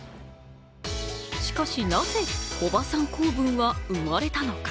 しかしなぜおばさん構文は生まれたのか。